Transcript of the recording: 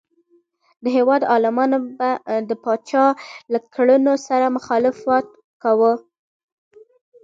د هیواد عالمانو د پاچا له کړنو سره مخالفت کاوه.